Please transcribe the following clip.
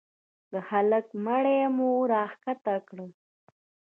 د هلك مړى مو راکښته کړ.